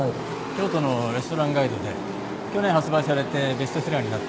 京都のレストランガイドで去年発売されてベストセラーになったはずです。